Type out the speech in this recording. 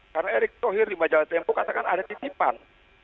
karena erick tohir di majalah tmpo katakan ada titipan